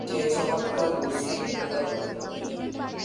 সে চমৎকার গুছিয়ে মিথ্যা বলতে পারে।